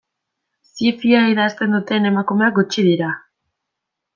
Zi-fia idazten duten emakumeak gutxi dira.